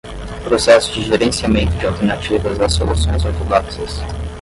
Processo de gerenciamento de alternativas às soluções ortodoxas